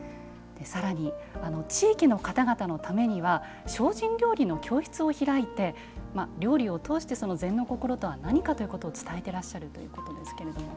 さらに、地域の方々のためには精進料理の教室を開いて料理を通して、禅のこころとは何かというのを伝えてらっしゃるということですけれども。